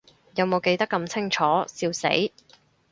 有無記得咁清楚，笑死